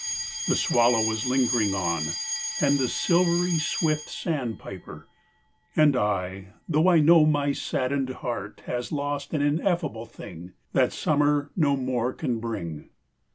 The swallow is lingering on, And the silvery swift sandpiper, And I tho I know my saddened heart Has lost an ineffable thing, That summer no more can bring.